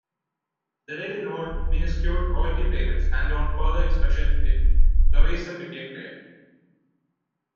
The deal involved "minuscule" royalty payments, and on further inspection the reason became clear.